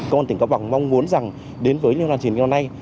công an tỉnh có bằng mong muốn rằng đến với liên hoan truyền hình năm nay